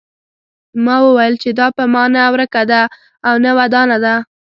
ما وویل چې دا په ما نه ورکه ده او نه ودانه ده.